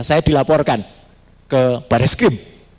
saya dilaporkan ke baris krim